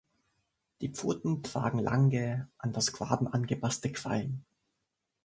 Die Pfoten tragen lange, an das Graben angepasste Krallen.